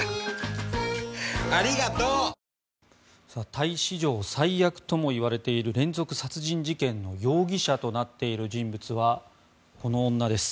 タイ史上最悪ともいわれている連続殺人事件の容疑者となっている人物はこの女です。